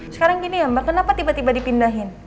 sekarang gini ya mbak kenapa tiba tiba dipindahin